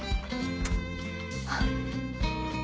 あっ。